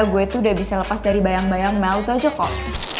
gue tuh udah bisa lepas dari bayang bayang mel itu aja kok